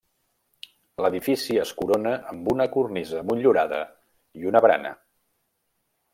L'edifici es corona amb una cornisa motllurada i una barana.